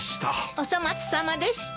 お粗末さまでした。